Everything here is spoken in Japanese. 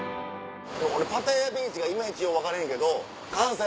俺パタヤビーチが今いちよう分かれへんけど。